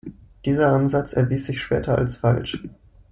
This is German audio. Dieser Ansatz erwies sich später als falsch.